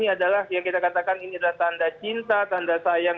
adalah yang kita katakan ini adalah tanda cinta tanda sayang